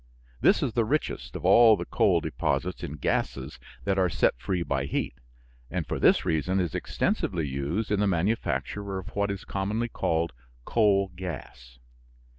This is the richest of all the coal deposits in gases that are set free by heat, and for this reason is extensively used in the manufacture of what is commonly called coal gas.